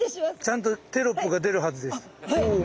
ちゃんとテロップが出るはずです。